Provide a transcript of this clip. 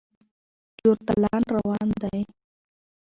چور تالان روان دی.